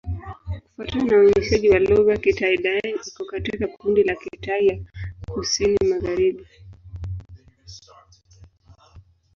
Kufuatana na uainishaji wa lugha, Kitai-Daeng iko katika kundi la Kitai ya Kusini-Magharibi.